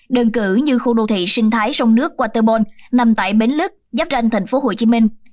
đơn cử như khu đô thị sinh thái sông nước waterbone nằm tại bến lức giáp ranh thành phố hồ chí minh